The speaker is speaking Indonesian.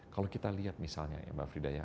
kalau kita lihat misalnya ya mbak frida ya